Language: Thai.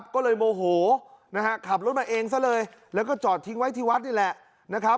ก็เลยโมโหนะฮะขับรถมาเองซะเลยแล้วก็จอดทิ้งไว้ที่วัดนี่แหละนะครับ